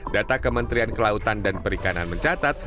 data kementerian kelautan dan perikanan mencatat